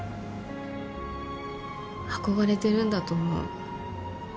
憧れてるんだと思う。